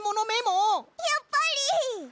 やっぱり！